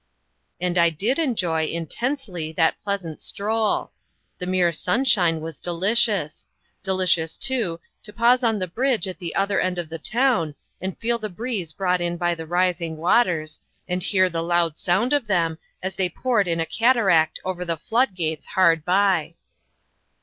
And I did enjoy, intensely, that pleasant stroll. The mere sunshine was delicious; delicious, too, to pause on the bridge at the other end of the town, and feel the breeze brought in by the rising waters, and hear the loud sound of them, as they poured in a cataract over the flood gates hard by.